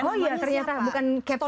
oh ya ternyata bukan captain